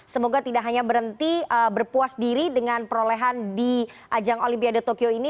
semoga tidak hanya berhenti berpuas diri dengan perolehan di ajang olimpiade tokyo ini